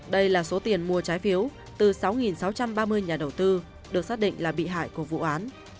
đây là số tiền mua trái phiếu từ sáu sáu trăm ba mươi nhà đầu tư được xác định là bị hại của vụ án